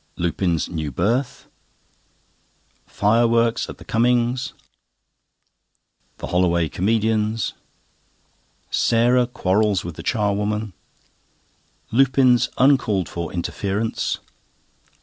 Lupin's new berth. Fireworks at the Cummings'. The "Holloway Comedians." Sarah quarrels with the charwoman. Lupin's uncalled for interference.